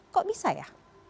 kok bisa ya